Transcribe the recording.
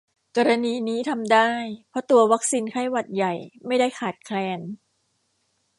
กรณีนี้ทำได้ เพราะตัววัคซีนไข้หวัดใหญ่ไม่ได้ขาดแคลน